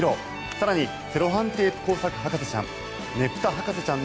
更にセロハンテープ工作博士ちゃん。